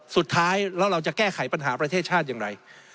สุดท้ายแล้วเราจะแก้ไขปัญหาประเทศชาติอย่างไร